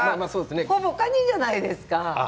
ほぼカニじゃないですか。